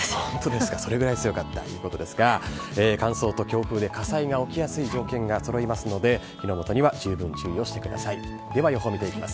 本当ですか、それぐらい強かったということですが、乾燥と強風で火災が起きやすい条件がそろいますので、火の元には十分注意をしてください。